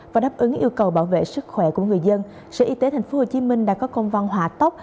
và đáp ứng yêu cầu bảo vệ sức khỏe của người dân sở y tế tp hcm đã có công văn hỏa tốc